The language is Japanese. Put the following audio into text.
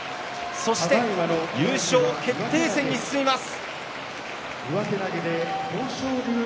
そして優勝決定戦に進みます。